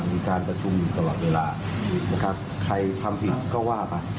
มีการประชุมอยู่ตลอดเวลานะครับใครทำผิดก็ว่าไป